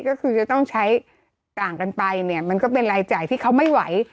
ก็คือจะต้องใช้ต่างกันไปเนี่ยมันก็เป็นรายจ่ายที่เขาไม่ไหว